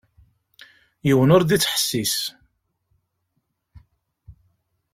Yiwen ur d-ittḥessis.